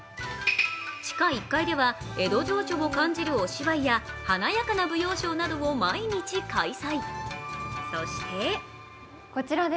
地下１階では江戸情緒を感じるお芝居や華やかな舞踊ショーを毎日開催。